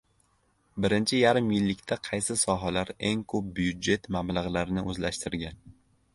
Birinchi yarim yillikda qaysi sohalar eng ko‘p byudjet mablag‘larini o‘zlashtirgan